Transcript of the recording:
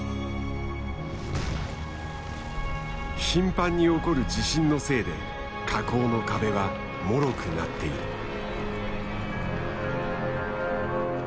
頻繁に起こる地震のせいで火口の壁はもろくなっている。